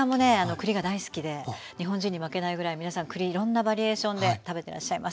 栗が大好きで日本人に負けないぐらい皆さん栗いろんなバリエーションで食べてらっしゃいます。